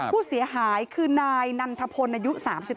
ผู้เสียหายคือนายนันทพลอายุ๓๓